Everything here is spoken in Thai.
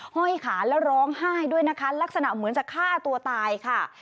ห้อยขาแล้วร้องไห้ด้วยนะคะลักษณะเหมือนจะฆ่าตัวตายค่ะ